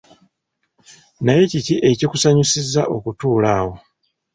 Naye kiki ekikusanyusiza okutuula awo?